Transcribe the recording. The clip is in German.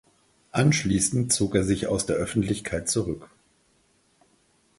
Anschließend zog er sich aus der Öffentlichkeit zurück.